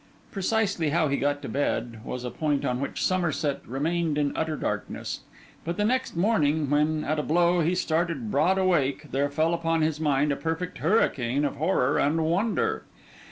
Precisely, how he got to bed, was a point on which Somerset remained in utter darkness; but the next morning when, at a blow, he started broad awake, there fell upon his mind a perfect hurricane of horror and wonder.